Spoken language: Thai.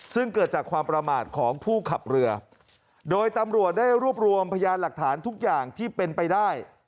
ซึ่งเกิดจากความประมาทของผู้ขับเรือโดยตำรวจได้รวบรวมพยานหลักฐานทุกอย่างที่เป็นไปได้